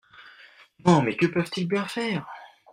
Non, mais que peuvent-ils bien faire ?